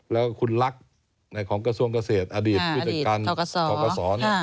แล้วคุณลักษณ์ของกระทรวงเกษตรอดีตผู้จัดการทกศ